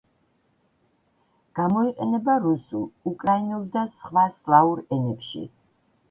გამოიყენება რუსულ, უკრაინულ და სხვა სლავურ ენებში.